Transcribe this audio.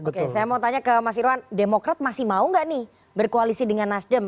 oke saya mau tanya ke mas irwan demokrat masih mau nggak nih berkoalisi dengan nasdem